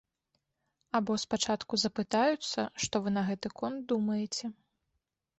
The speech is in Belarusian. Або спачатку запытаюцца, што вы на гэты конт думаеце.